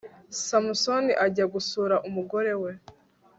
samusoni ajya gusura umugore we